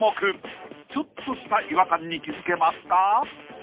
［ちょっとした違和感に気付けますか？］